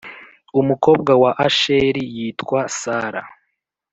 Umukobwa wa Asheri yitwa Sara